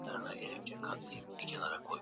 Epuka kuweka samadi baada ya kupanda mazao